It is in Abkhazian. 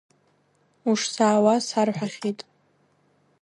Ушзаауаз сарҳәахьеит.